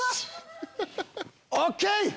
ＯＫ！